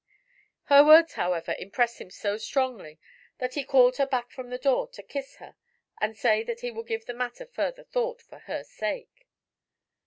Her words, however, impress him so strongly that he calls her back from the door to kiss her and say that he will give the matter further thought, for her sake.